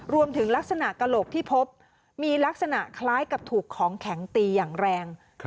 รวมถึงลักษณะกระโหลกที่พบมีลักษณะคล้ายกับถูกของแข็งตีอย่างแรง